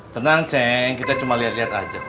tenang ceng kita cuma liat liat aja